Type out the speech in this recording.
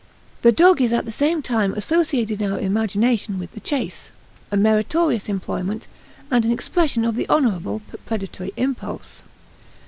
The dog is at the same time associated in our imagination with the chase a meritorious employment and an expression of the honorable predatory impulse.